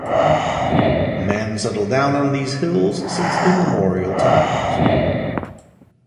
Man settled down on these hills since immemorial times.